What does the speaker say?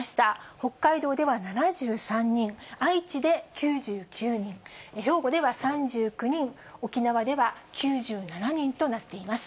北海道では７３人、愛知で９９人、兵庫では３９人、沖縄では９７人となっています。